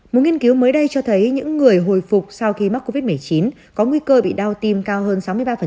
một nghiên cứu mới đây cho thấy những người hồi phục sau khi mắc covid một mươi chín có nguy cơ bị đau tim cao hơn sáu mươi ba